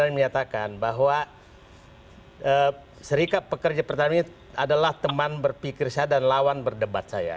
saya menyatakan bahwa serikat pekerja pertamina adalah teman berpikir saya dan lawan berdebat saya